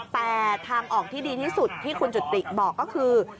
แต่ทางออกที่ดีที่สุดที่คุณจุติบอกก็คือ